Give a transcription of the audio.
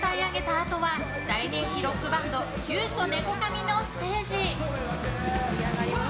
あとは大人気ロックバンドキュウソネコカミのステージ！